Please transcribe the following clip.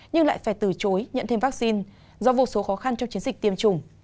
nhưng lại phải từ chối nhận thêm vaccine do vô số khó khăn trong chiến dịch tiêm chủng